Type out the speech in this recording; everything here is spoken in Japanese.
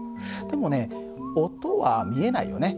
でもね音は見えないよね。